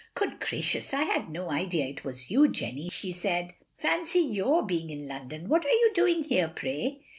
"Good graciotis, I had no idea it was you, Jenny, " she said. " Pancy your being in London. What are you doing here, pray?"